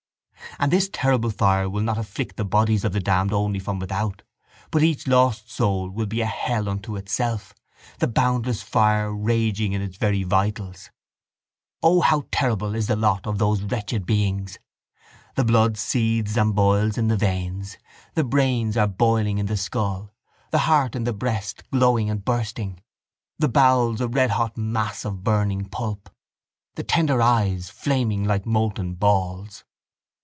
And this terrible fire will not afflict the bodies of the damned only from without, but each lost soul will be a hell unto itself, the boundless fire raging in its very vitals. O, how terrible is the lot of those wretched beings! The blood seethes and boils in the veins, the brains are boiling in the skull, the heart in the breast glowing and bursting, the bowels a redhot mass of burning pulp, the tender eyes flaming like molten balls.